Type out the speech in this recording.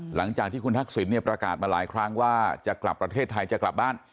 หลังจากที่คุณทักษิณเนี่ยประกาศมาหลายครั้งว่าจะกลับประเทศไทยจะกลับบ้าน